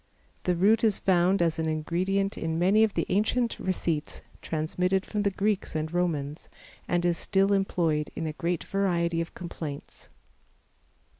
The root is found as an ingredient in many of the ancient receipts transmitted from the Greeks and Romans, and is still employed in a great variety of complaints.